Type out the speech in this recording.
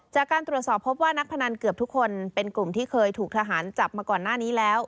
จากการตรวจสอบพบว่านักพนันเกือบทุกคนเป็นกลุ่มที่เคยถูกทหารจับมาก่อนหน้านี้แล้ว